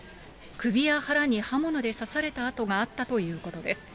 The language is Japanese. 首や腹に刃物で刺された痕があったということです。